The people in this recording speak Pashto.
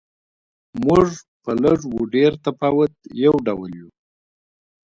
موږ په لږ و ډېر تفاوت یو ډول یو.